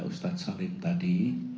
ustadz salim tadi